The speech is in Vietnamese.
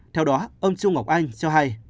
theo đó ông trung ngọc anh cho hay